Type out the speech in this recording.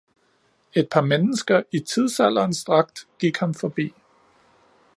Et par mennesker, i tidsalderens dragt, gik ham forbi.